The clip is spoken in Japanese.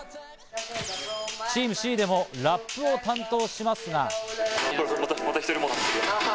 チームＣでもラップを担当しますが。